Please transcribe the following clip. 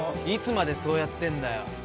いつまでそうやってんだよ